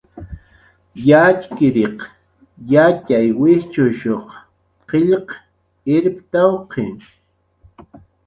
"Yatxchiriq yatxay wijchushuq qillq irptawq""i"